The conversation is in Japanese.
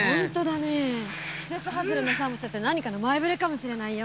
季節はずれのこの寒さ何かの前ぶれかもしれないよ。